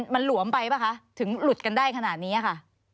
มันหลวมไปป่ะคะถึงหลุดกันได้ขนาดนี้ค่ะ